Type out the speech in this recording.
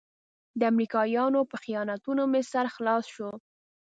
د امريکايانو په خیانتونو مې سر خلاص شو.